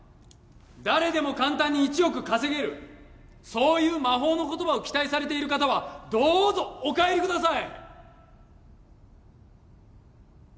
誰でも簡単に１億稼げるそういう魔法の言葉を期待されている方はどうぞお帰りください！